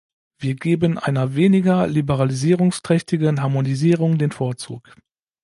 Wir geben einer weniger liberalisierungsträchtigen Harmonisierung den Vorzug.